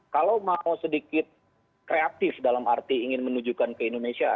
kalau mau sedikit kreatif dalam arti ingin menunjukkan ke indonesia